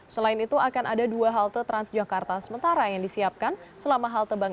selain itu akan ada dua halte transjakarta sementara yang disiapkan selama halte bank